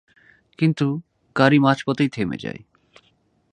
কিন্তু গাড়ি মাঝপথেই থেমে যায়।